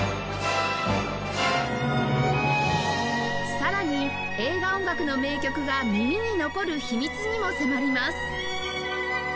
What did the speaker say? さらに映画音楽の名曲が耳に残る秘密にも迫ります